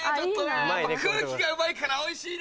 やっぱ空気がうまいからおいしいね！